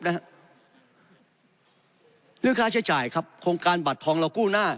เรื่องค่าใช้จ่ายครับโครงการบัตรทองเรากู้หน้า